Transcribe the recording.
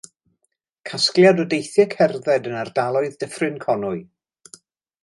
Casgliad o deithiau cerdded yn ardaloedd Dyffryn Conwy.